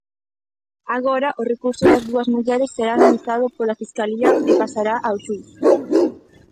Agora, o recurso das dúas mulleres será analizado pola Fiscalía e pasará ao xuíz.